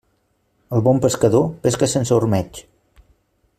El bon pescador pesca sense ormeig.